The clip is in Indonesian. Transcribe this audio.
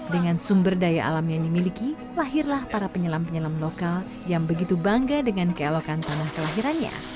dengan sumber daya alam yang dimiliki lahirlah para penyelam penyelam lokal yang begitu bangga dengan keelokan tanah kelahirannya